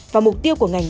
và mục tiêu của ngành